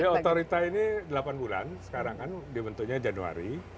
jadi otorita ini delapan bulan sekarang kan dibentuknya januari